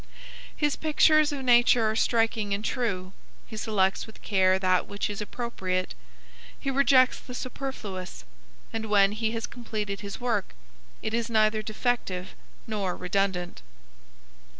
His pictures of nature are striking and true; he selects with care that which is appropriate; he rejects the superfluous; and when he has completed his work, it is neither defective nor redundant.